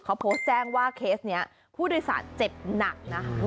เขาโพสต์แจ้งว่าเคสนี้ผู้โดยสารเจ็บหนักนะคะ